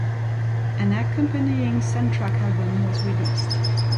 An accompanying soundtrack album was released.